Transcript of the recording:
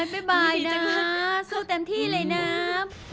บ่ายนะคะสู้เต็มที่เลยนะ